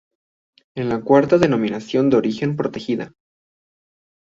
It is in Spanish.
Es la cuarta denominación de origen protegida.